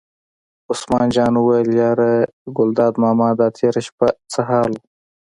عثمان جان وویل: یاره ګلداد ماما دا تېره شپه څه حال و.